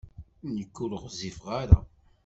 Nekk ur ɣezzifeɣ ara.